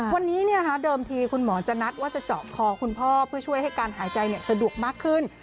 วันนี้เดิมทีคุณหมอจะนัดว่าจะเจาะคอคุณพ่อเพื่อช่วยให้การหายใจสะดวกมากขึ้น